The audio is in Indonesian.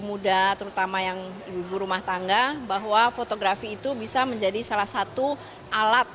muda terutama yang ibu ibu rumah tangga bahwa fotografi itu bisa menjadi salah satu alat